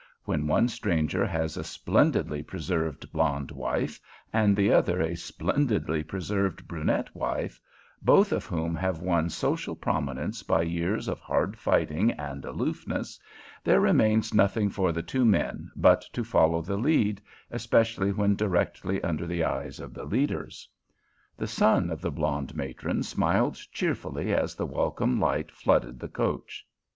When one stranger has a splendidly preserved blonde wife and the other a splendidly preserved brunette wife, both of whom have won social prominence by years of hard fighting and aloofness, there remains nothing for the two men but to follow the lead, especially when directly under the eyes of the leaders. The son of the blonde matron smiled cheerfully as the welcome light flooded the coach.